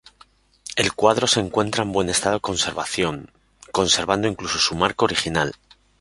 El cuadro se encuentra en buen estado de conservación, conservando incluso su marco original.